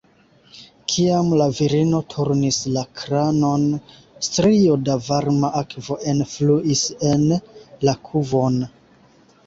Kiam la virino turnis la kranon, strio da varma akvo enfluis en la kuvon.